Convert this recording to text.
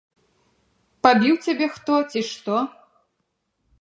Пабіў цябе хто, ці што?